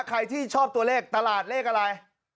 ใครที่ชอบตัวเลขตลาดเลขอะไร